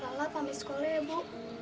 lala pengen sekolah ya bu